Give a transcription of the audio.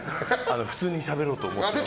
普通にしゃべろうと思ってます。